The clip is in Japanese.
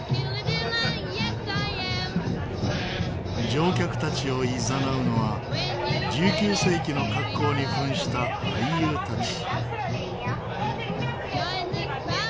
乗客たちをいざなうのは１９世紀の格好に扮した俳優たち。